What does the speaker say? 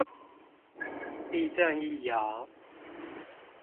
地震一搖